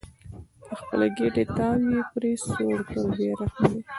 د خپلې ګېډې تاو یې پرې سوړ کړل بې رحمه دي.